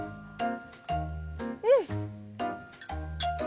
うん！